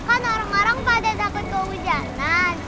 kan orang orang pada takut kehujanan